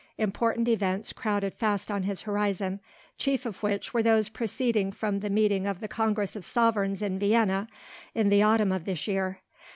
Important events crowded fast on his horizon, chief of which were those proceeding from the meeting of the Congress of Sovereigns in Vienna in the autumn of this year.